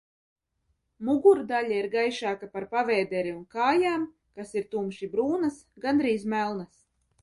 Mugurdaļa ir gaišāka par pavēderi un kājām, kas ir tumši brūnas, gandrīz melnas.